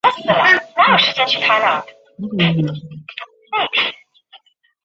于几内亚国内另有同名城镇。